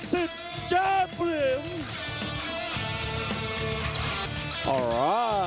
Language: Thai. สิ่งสิทธิ์เจ๊ปริมเอาชนะชัดเปลี่ยนของเราครับ